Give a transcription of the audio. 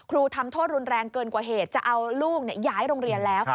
ทำโทษรุนแรงเกินกว่าเหตุจะเอาลูกย้ายโรงเรียนแล้ว